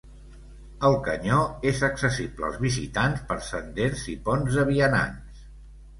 El canyó és accessible als visitants per senders i ponts de vianants.